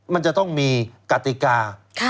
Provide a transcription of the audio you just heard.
มันจะต้องมีกติกา